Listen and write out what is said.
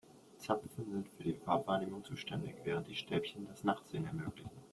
Zapfen sind für die Farbwahrnehmung zuständig, während die Stäbchen das Nachtsehen ermöglichen.